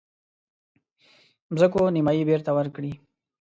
مځکو نیمايي بیرته ورکړي.